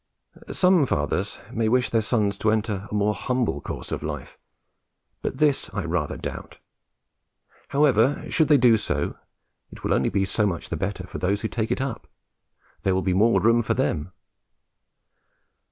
Some fathers may wish their sons to enter on a more humble course of life, but this I rather doubt. However, should they do so, it will be only so much the better for those who take it up: there will be more room for them.